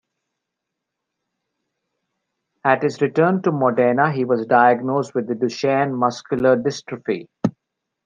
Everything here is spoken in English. At his return to Modena, he was diagnosed with Duchenne muscular dystrophy.